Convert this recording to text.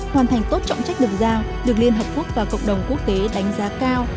hoàn thành tốt trọng trách được giao được liên hợp quốc và cộng đồng quốc tế đánh giá cao